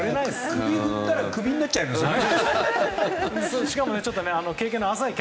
首を振ったらクビになっちゃいますね。